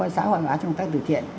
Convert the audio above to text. xã hội hóa trong tác từ thiện